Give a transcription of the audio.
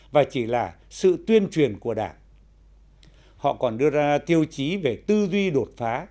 và chỉ là sự tuyên truyền của đảng họ còn đưa ra tiêu chí về tư duy đột phá